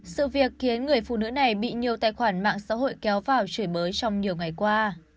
sự việc khiến người phụ nữ này bị nhiều tài khoản mạng xã hội kéo vào chửi bới trong nhiều ngày qua